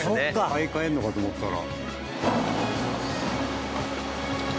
買い替えるのかと思ったら。